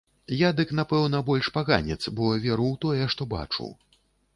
Я дык, напэўна, больш паганец, бо веру ў тое, што бачу.